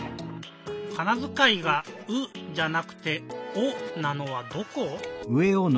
かなづかいが「う」じゃなくて「お」なのはどこ？